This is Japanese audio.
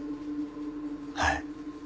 はい。